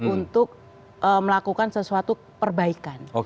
untuk melakukan sesuatu perbaikan